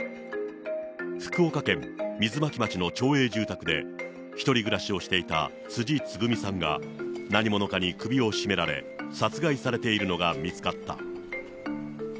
福岡県水巻町の町営住宅で、１人暮らしをしていた辻つぐみさんが、何者かに首を絞められ、殺害されているのが見つかった。